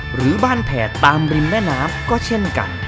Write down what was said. หรือบ้านแผ่ตามริมแม่น้ำก็เช่นกัน